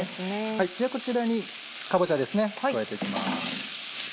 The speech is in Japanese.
ではこちらにかぼちゃですね加えていきます。